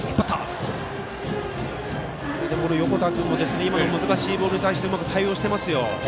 横田君も今の難しいボールに対しうまく対応していますよ。